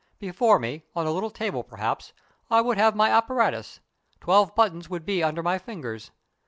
Before me, on a little table perhaps, I should have my apparatus; twelve buttons would be under my fingers.